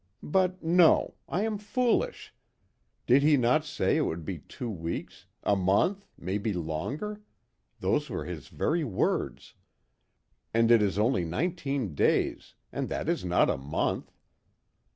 But, no I am foolish! Did he not say it would be two weeks a month maybe longer those were his very words. And it is only nineteen days, and that is not a month.